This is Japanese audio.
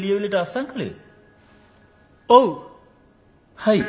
はい。